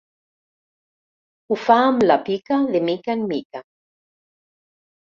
Ho fa amb la pica de mica en mica.